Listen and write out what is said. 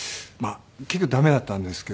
結局駄目だったんですけど。